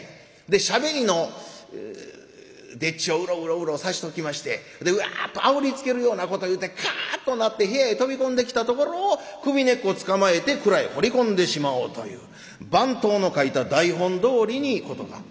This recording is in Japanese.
でしゃべりの丁稚をうろうろうろさしときましてでワッとあおりつけるようなこと言うてカッとなって部屋へ飛び込んできたところを首根っこつかまえて蔵へほり込んでしまおうという番頭の書いた台本どおりに事が進みます。